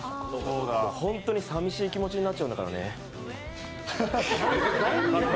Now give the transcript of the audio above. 本当にさみしい気持ちになっちゃうんだからね。